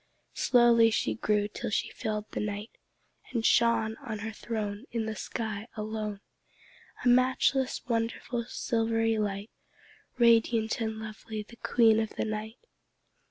Slowly she grew till she filled the night, And shone On her throne In the sky alone, A matchless, wonderful, silvery light, Radiant and lovely, the Queen of the Night.